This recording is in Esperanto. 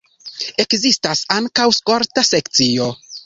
Ekzistas ankaŭ skolta sekcio.